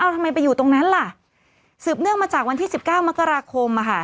เอ้าทำไมไปอยู่ตรงนั้นล่ะสืบเนื่องมาจากวันที่สิบเก้ามกราคมอ่ะค่ะ